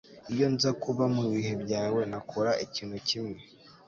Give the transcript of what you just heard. Iyo nza kuba mubihe byawe nakora ikintu kimwe